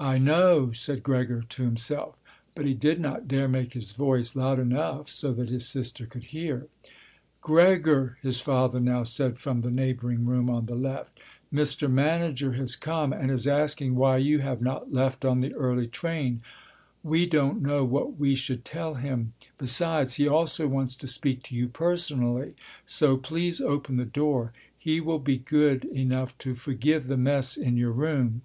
"I know," said Gregor to himself. But he did not dare make his voice loud enough so that his sister could hear. "Gregor," his father now said from the neighbouring room on the left, "Mr. Manager has come and is asking why you have not left on the early train. We don't know what we should tell him. Besides, he also wants to speak to you personally. So please open the door. He will be good enough to forgive the mess in your room."